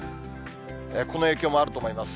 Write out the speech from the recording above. この影響もあると思います。